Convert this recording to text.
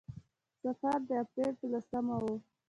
سفر د اپرېل په لسمه و.